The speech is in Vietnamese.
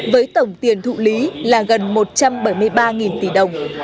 với tổng tiền thụ lý là gần một trăm bảy mươi ba tỷ đồng